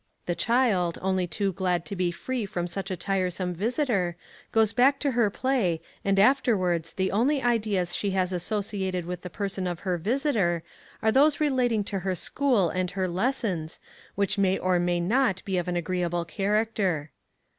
The child, only too glad to be free from such a tiresome visitor, goes back to her play, and afterwards the only ideas she has associated with the person of her visitor are those relating to her school and her lessons, which may or may not be of an agreeable character.